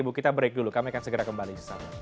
bu kita break dulu kami akan segera kembali